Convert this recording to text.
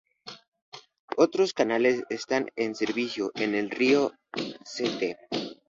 Otros canales están en servicio en el río St.